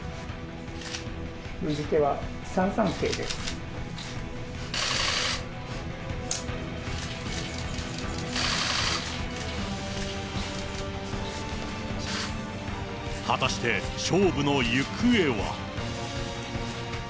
封じ手は、果たして勝負の行方は。